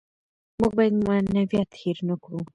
موږ باید معنویات هېر نکړو.